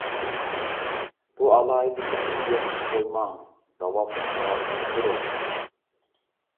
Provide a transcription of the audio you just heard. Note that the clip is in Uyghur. بۇ ئالاھىدىلىكىڭىزنى يوقىتىپ قويماڭ، داۋاملىق داۋاملاشتۇرۇڭ.